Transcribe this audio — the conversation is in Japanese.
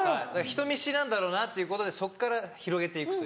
人見知りなんだろうなってことでそっから広げて行くというか。